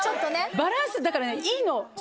バランスだからいいの。